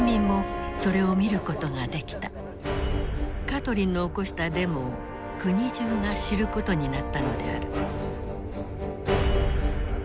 カトリンの起こしたデモを国中が知ることになったのである。